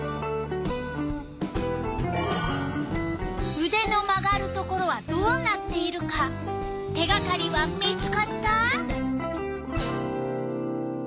うでの曲がるところはどうなっているか手がかりは見つかった？